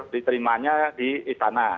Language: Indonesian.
diterimanya di istana